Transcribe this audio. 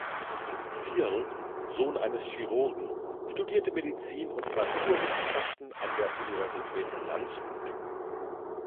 Zierl, Sohn eines Chirurgen, studierte Medizin und Naturwissenschaften an der Universität Landshut.